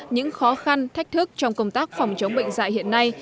những khó khăn thách thức trong công tác phòng chống bệnh dạy hiện nay